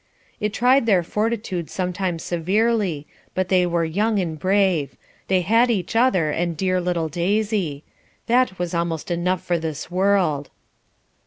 It tried their fortitude sometimes severely, but they were young and brave; they had each other and dear little Daisy; that was almost enough for this world.